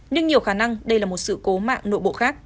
nhưng nhiều khả năng đây là một sự cố mạng nội bộ khác